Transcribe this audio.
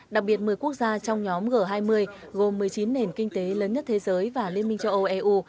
đặc biệt một mươi quốc gia trong nhóm g hai mươi gồm một mươi chín nền kinh tế lớn nhất thế giới và liên minh châu âu eu